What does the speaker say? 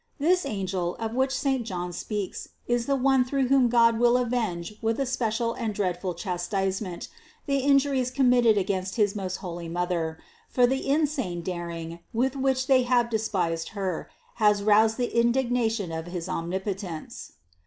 This angel, of which St. John speaks, is the one through whom God will avenge with an especial and dreadful chastisement the injuries committed against his most holy Mother ; for the insane daring, with which they have despised Her, has roused the indignation of his Omnipotence.